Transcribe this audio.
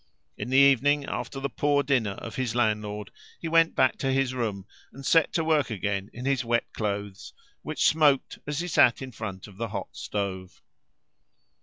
In the evening, after the poor dinner of his landlord, he went back to his room and set to work again in his wet clothes, which smoked as he sat in front of the hot stove.